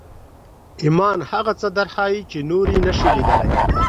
ایمان هغه څه درښيي چې نور یې نشي لیدلی